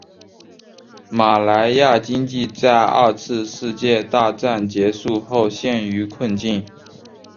马来亚经济在二次大战结束后陷于困境。